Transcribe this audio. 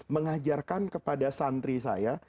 mengajarkan kepada santri saya